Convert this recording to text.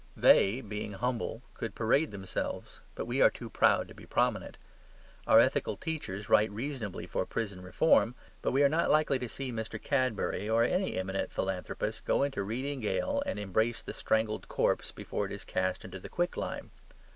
They, being humble, could parade themselves: but we are too proud to be prominent. Our ethical teachers write reasonably for prison reform; but we are not likely to see Mr. Cadbury, or any eminent philanthropist, go into Reading Gaol and embrace the strangled corpse before it is cast into the quicklime.